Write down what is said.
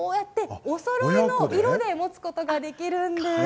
おそろいの色で持つことができるんです。